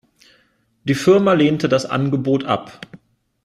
Die Firma lehnte das Angebot ab.